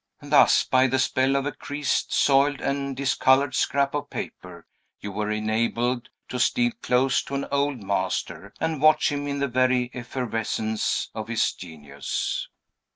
Thus, by the spell of a creased, soiled, and discolored scrap of paper, you were enabled to steal close to an old master, and watch him in the very effervescence of his genius.